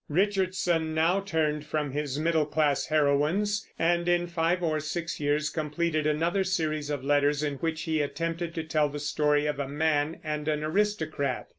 Richardson now turned from his middle class heroines, and in five or six years completed another series of letters, in which he attempted to tell the story of a man and an aristocrat.